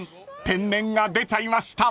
天然が出ちゃいました］